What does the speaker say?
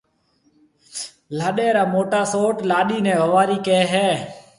لاڏيَ را موٽا سئوٽ لاڏيِ نَي ووارِي ڪهيَ هيَ۔